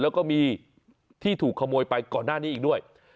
แล้วก็มีที่ถูกขโมยไปก่อนหน้านี้อีกด้วย